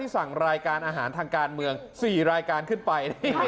สั่งรายการอาหารทางการเมือง๔รายการขึ้นไป